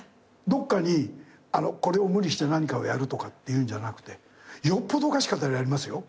どっかにこれを無理して何かやるっていうんじゃなくてよっぽどおかしかったらやりますよ。